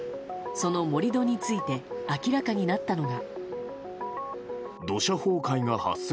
その盛り土について明らかになったのが。